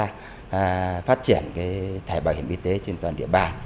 chúng tôi đã phát triển thẻ bảo hiểm y tế trên toàn địa bàn